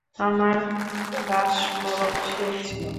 আমার রাশমোরও সে ছিল।